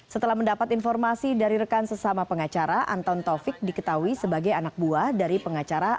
setelah mendapat informasi dari rekan sesama pengacara anton taufik diketahui sebagai anak buah dari pengacara